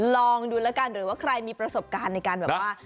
ลองดูแล้วกันหรือว่าใครมีประสบการณ์ในการแบบว่า